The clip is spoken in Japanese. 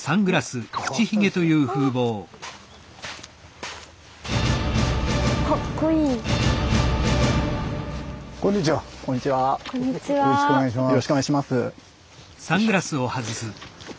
えと私よろしくお願いします。